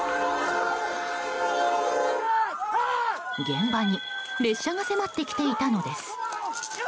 現場に列車が迫ってきていたのです。